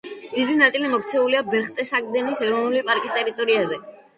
დიდი ნაწილი მოქცეულია ბერხტესგადენის ეროვნული პარკის ტერიტორიაზე.